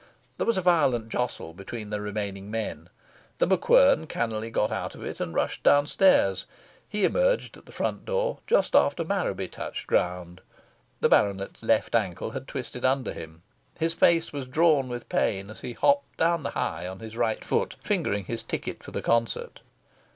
There was a violent jostle between the remaining men. The MacQuern cannily got out of it, and rushed downstairs. He emerged at the front door just after Marraby touched ground. The Baronet's left ankle had twisted under him. His face was drawn with pain as he hopped down the High on his right foot, fingering his ticket for the concert.